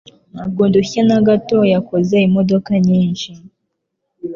Ntabwo ndushye na gato. yakoze imodoka nyinshi.